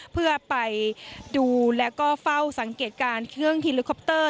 เพื่อไปดูแล้วก็เฝ้าสังเกตการณ์เครื่องฮิลิคอปเตอร์